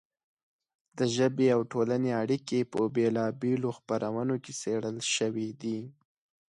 د ژبې او ټولنې اړیکې په بېلا بېلو خپرونو کې څېړل شوې دي.